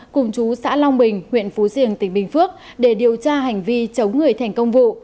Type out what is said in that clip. cùng chú xã long bình huyện phú diềng tỉnh bình phước để điều tra hành vi chống người thành công vụ